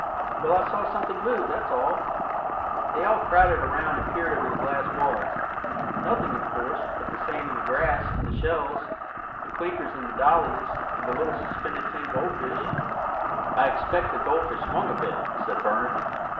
"Well, I saw something move, that's all." They all crowded around and peered over the glass walls. Nothing, of course, but the sand and the grass and the shells, the clinkers and the dahlias and the little suspended tin goldfish. "I expect the goldfish swung a bit," said Bernard.